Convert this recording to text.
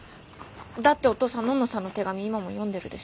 だってお父さんのんのさんの手紙今も読んでるでしょ？